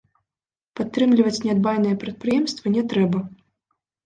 Падтрымліваць нядбайныя прадпрыемствы не трэба.